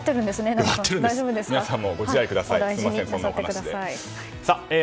皆さんもご自愛ください。